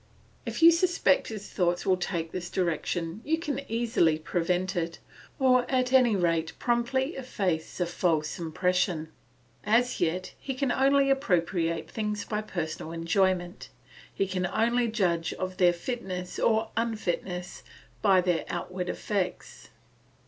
If you suspect his thoughts will take this direction you can easily prevent it, or at any rate promptly efface the false impression. As yet he can only appropriate things by personal enjoyment, he can only judge of their fitness or unfitness by their outward effects.